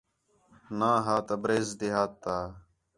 ناں ہا تبریز دیہات تا